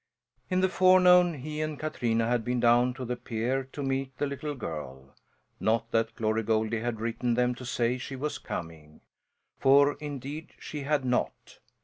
In the forenoon he and Katrina had been down to the pier to meet the little girl. Not that Glory Goldie had written them to say she was coming, for indeed she had not!